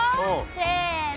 せの！